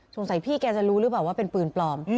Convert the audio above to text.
พี่แกจะรู้หรือเปล่าว่าเป็นปืนปลอม